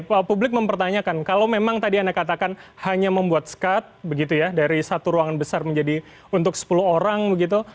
pak publik mempertanyakan kalau memang tadi anda katakan hanya membuat sekat begitu ya dari satu ruangan besar menjadi untuk sepuluh orang begitu